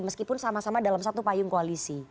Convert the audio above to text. meskipun sama sama dalam satu payung koalisi